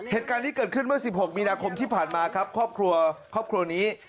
เหตุการณ์นี้เกิดขึ้นเมื่อ๑๖มีนาคมที่ผ่านมาครับครอบครัวครอบครัวนี้